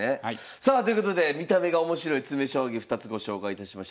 さあということで見た目がおもしろい詰将棋２つご紹介いたしました。